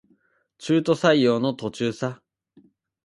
中途採用の途中さ